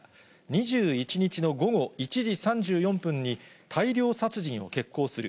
２１日の午後１時３４分に、大量殺人を決行する。